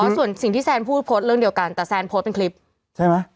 ส่วนสิ่งที่แซนพูดโพสต์เรื่องเดียวกันแต่แซนโพสต์เป็นคลิปใช่ไหม